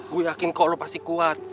gua yakin kok lu pasti kuat